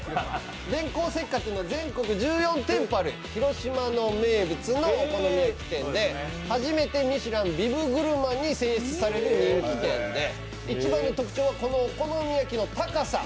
電光石火というのは全国１４店舗ある広島の名物のお好み焼き店で初めてミシュラン・ビブグルマンに選出された人気店で一番の特徴はこのお好み焼きの高さ。